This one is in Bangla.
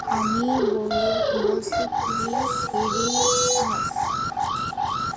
আমি বলছি কী সিরিয়াস।